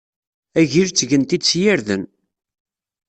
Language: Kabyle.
Agil ttgen-t-id s yirden.